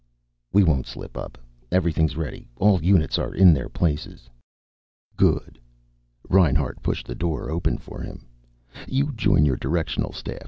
"We won't slip up. Everything's ready. All units are in their places." "Good." Reinhart pushed the door open for him. "You join your directional staff.